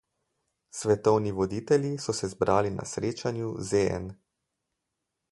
Svetovni voditelji so se zbrali na srečanju ZN.